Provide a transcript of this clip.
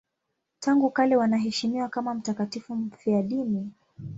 Tangu kale wanaheshimiwa kama mtakatifu mfiadini.